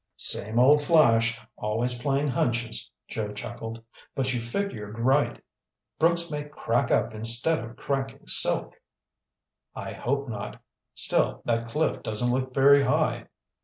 "Same old Flash, always playing hunches," Joe chuckled. "But you figured right. Brooks may crack up instead of cracking silk." "I hope not. Still, that cliff doesn't look very high."